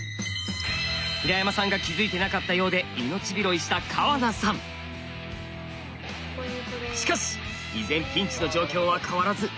平山さんが気付いてなかったようでしかし依然ピンチの状況は変わらず。